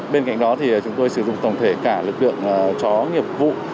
bên cạnh đó thì chúng tôi sử dụng tổng thể cả lực lượng chó nghiệp vụ